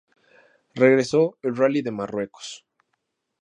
Regresó el Rally de Marruecos.